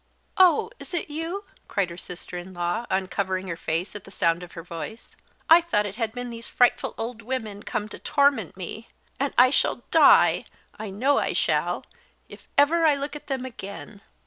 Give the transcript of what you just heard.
"Oh, is it you?" cried her sister in law, uncovering her face at the sound of her voice. "I thought it had been these frightful old women come to torment me; and I shall die I know I shall if ever I look at them again.